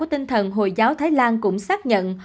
thần hồi giáo thái lan cũng xác nhận